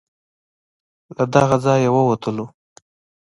له دغه ځای ووتلو.